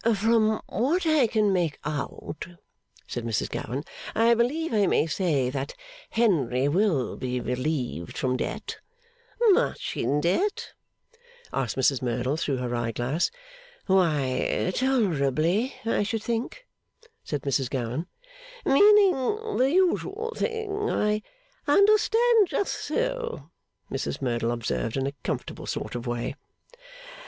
'From what I can make out,' said Mrs Gowan, 'I believe I may say that Henry will be relieved from debt ' 'Much in debt?' asked Mrs Merdle through her eyeglass. 'Why tolerably, I should think,' said Mrs Gowan. 'Meaning the usual thing; I understand; just so,' Mrs Merdle observed in a comfortable sort of way.